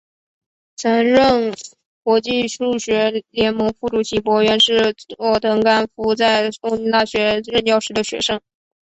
曾任国际数学联盟副主席柏原是佐藤干夫在东京大学任教时的学生。